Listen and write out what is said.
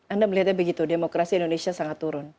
anda melihatnya begitu demokrasi indonesia sangat turun